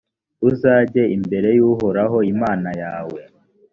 uzajye imbere y’uhoraho imana yawe,